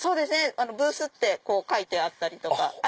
⁉ブースって書いてあったりとか。